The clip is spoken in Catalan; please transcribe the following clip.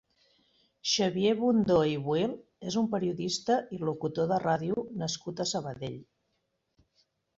Xavier Bundó i Buil és un periodista i locutor de ràdio nascut a Sabadell.